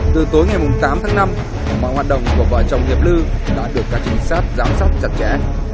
từ tối ngày tám tháng năm mọi hoạt động của vợ chồng hiệp lư đã được các trinh sát giám sát chặt chẽ